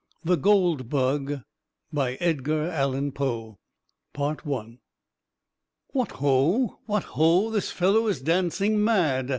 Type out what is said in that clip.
THE GOLD BUG By EDGAR ALLAN POE What ho! what ho! this fellow is dancing mad!